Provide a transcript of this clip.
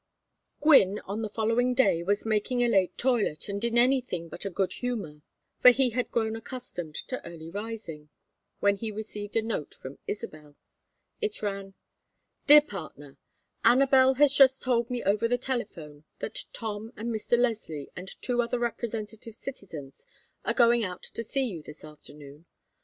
XII Gwynne, on the following day, was making a late toilet, and in anything but a good humor, for he had grown accustomed to early rising, when he received a note from Isabel. It ran: DEAR PARTNER, Anabel has just told me over the telephone that Tom and Mr. Leslie and two other representative citizens are going out to see you this afternoon.